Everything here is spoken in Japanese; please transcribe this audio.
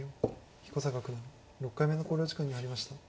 彦坂九段６回目の考慮時間に入りました。